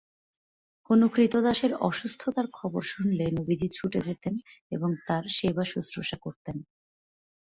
কোনো ক্রীতদাসের অসুস্থতার খবর শুনলে নবীজি ছুটে যেতেন এবং তার সেবা-শুশ্রূষা করতেন।